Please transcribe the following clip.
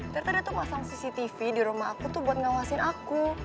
ternyata dia tuh masang cctv di rumah aku tuh buat ngawasin aku